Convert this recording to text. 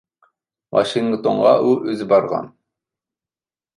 ۋاشىنگتونغا ئۇ ئۆزى بارغان.